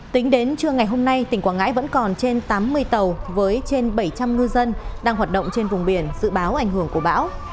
tính đến trưa ngày hôm nay tỉnh quảng ngãi vẫn còn trên tám mươi tàu với trên bảy trăm linh ngư dân đang hoạt động trên vùng biển dự báo ảnh hưởng của bão